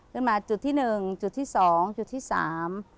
ขึ้นมาจุดที่หนึ่งจุดที่สองจุดที่สาม